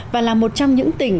và là một trong những tỉnh